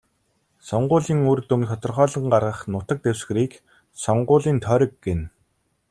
Сонгуулийн үр дүнг тодорхойлон гаргах нутаг дэвсгэрийг сонгуулийн тойрог гэнэ.